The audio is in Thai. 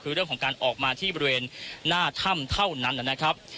คือเรื่องของการออกมาที่บริเวณหน้าถ้ำเท่านั้นนะครับ